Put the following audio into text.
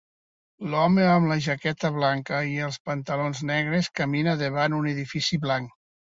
L'home amb la jaqueta blanca i els pantalons negres camina davant un edifici blanc.